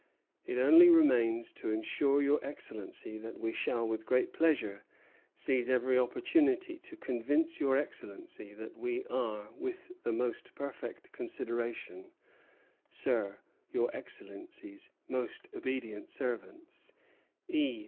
It only remains to assure your Excellency that we shall with great pleasure seize every opportunity to convince your Excellency that we are with the most perfect consideration, Sir, your Excellency's most obedient servants, E.